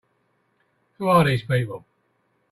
Who are these people?